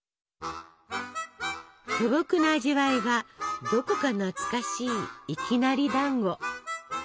素朴な味わいがどこか懐かしいいきなりだんご。